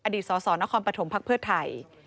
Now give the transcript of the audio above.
อดีตสสกพพฤไทย